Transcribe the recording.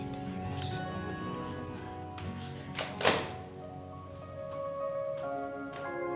itu makanannya gak boleh dibawa ke kamar